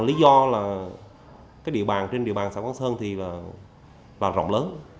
lý do là địa bàn trên địa bàn xã quảng sơn thì là rộng lớn